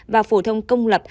và phổ thông công lập